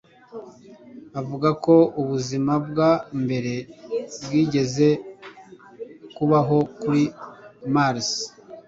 Avuga ko ubuzima bwa mbere bwigeze kubaho kuri Mars